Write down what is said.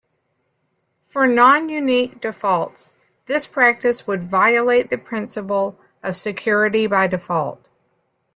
For non-unique defaults, this practice would violate the principle of 'security by default'.